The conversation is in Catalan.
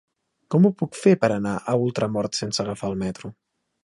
Com ho puc fer per anar a Ultramort sense agafar el metro?